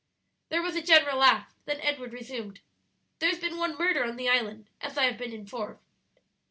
There was a general laugh; then Edward resumed: "There has been one murder on the island, as I have been informed.